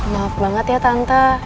maaf banget ya tante